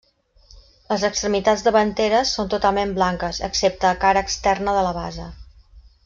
Les extremitats davanteres són totalment blanques, excepte a cara externa de la base.